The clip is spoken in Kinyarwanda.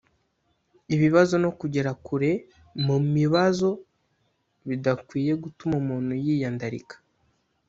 ibibazo no kugera kure mu mibazo bidakwiye gutuma umuntu yiyandarika